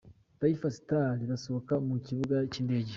Taifa Stars basohoka mu kibuga cy'indege.